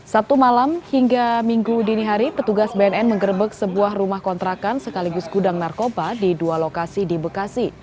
sabtu malam hingga minggu dini hari petugas bnn menggerbek sebuah rumah kontrakan sekaligus gudang narkoba di dua lokasi di bekasi